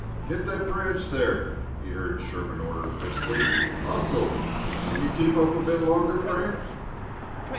"Get that branch there," he heard Sherman order crisply. "Hustle! Can you keep up a bit longer, Frank?"